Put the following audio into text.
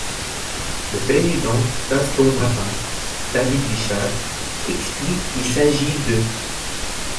Le président d’Aston Martin, David Richards, explique qu'il s'agit d'.